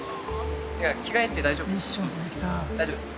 着替えて大丈夫ですか？